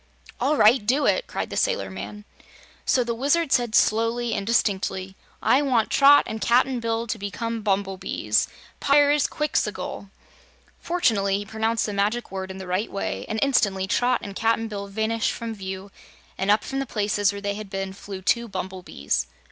"All right; do it!" cried the sailor man. So the Wizard said slowly and distinctly: "I want Trot and Cap'n Bill to become bumblebees Pyrzqxgl!" Fortunately, he pronounced the Magic Word in the right way, and instantly Trot and Cap'n Bill vanished from view, and up from the places where they had been flew two bumblebees.